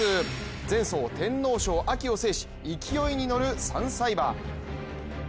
前走、天皇賞・秋を制し勢いに乗る３歳馬。